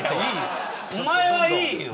お前はいいよ。